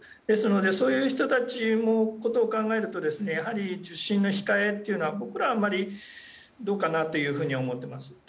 ですので、そういう人たちのことを考えるとやはり受診控えというのは僕らは、どうかなと思っています。